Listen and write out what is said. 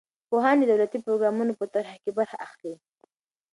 پوهان د دولتي پروګرامونو په طرحه کې برخه اخلي.